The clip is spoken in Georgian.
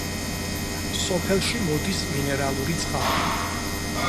სოფელში მოდის მინერალური წყალი.